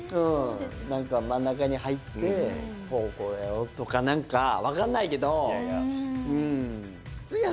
真ん中に入って、こうこうだよとか分かんないけど。